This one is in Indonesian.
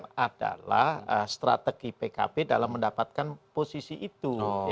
yang pertama adalah strategi pkb dalam mendapatkan posisi itu